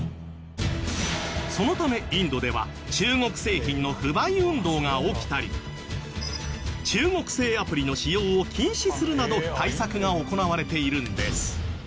そのためインドでは中国製品の不買運動が起きたり中国製アプリの使用を禁止するなど対策が行われているんです。